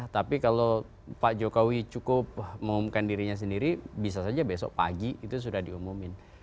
tapi kalau pak jokowi cukup mengumumkan dirinya sendiri bisa saja besok pagi itu sudah diumumkan